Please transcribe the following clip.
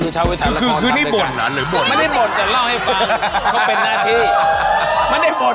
แต่เล่าให้ฟังเขาเป็นนาที